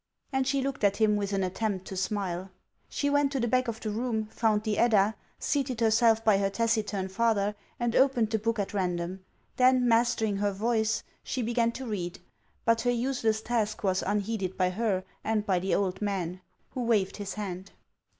And she looked at him with an attempt to smile. She went to the back of the room, found the Edda, seated herself by her taciturn father, and opened the book at random ; then, mastering her voice, she began to read. But her useless task was unheeded by her and by the old man, who waved his hand.